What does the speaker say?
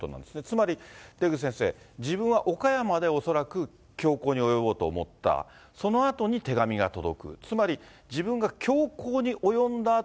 つまり出口先生、自分は岡山で恐らく凶行に及ぼうと思った、そのあとに手紙が届く。